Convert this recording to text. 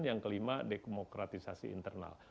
yang kelima demokratisasi internal